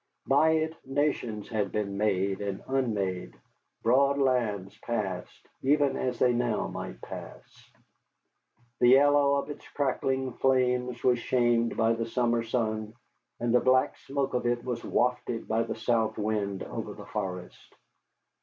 By it nations had been made and unmade, broad lands passed, even as they now might pass. The yellow of its crackling flames was shamed by the summer sun, and the black smoke of it was wafted by the south wind over the forest.